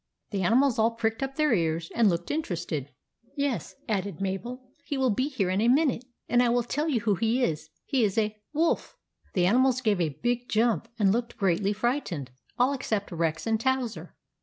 The animals all pricked up their ears, and looked interested. " Yes," added Mabel, " he will be here in a minute, and I will tell you who he is. He is a — Wolf." The animals gave a big jump, and looked greatly frightened, — all except Rex and Towser.